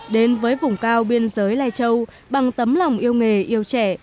đến với vùng cao biên giới lai châu bằng tấm lòng yêu nghề yêu trẻ